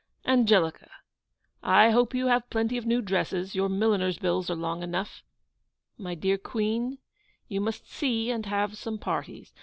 'Angelica! I hope you have plenty of new dresses; your milliners' bills are long enough. My dear Queen, you must see and have some parties.